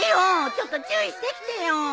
ちょっと注意してきてよ。